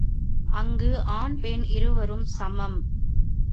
அங்கு ஆண் பெண் இருவரும் சமம்.